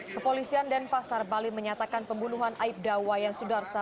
kepolisian denpasar bali menyatakan pembunuhan aibda wayan sudarsa